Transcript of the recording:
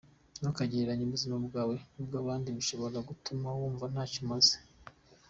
Ntukagereranye ubuzima bwawe n’ubw’abandi, bishobora gutuma wumva ntacyo umaze.